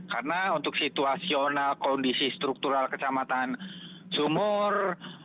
karena untuk situasional kondisi struktural kecamatan sumur